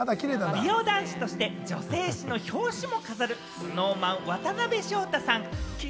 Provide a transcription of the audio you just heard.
美容男子として女性誌の表紙も飾るＳｎｏｗＭａｎ、渡辺翔太さん。